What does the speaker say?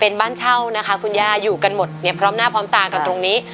เป็นบ้านเช่านะคะคุณย่าอยู่กันหมดเนี่ยพร้อมหน้าพร้อมตากันตรงนี้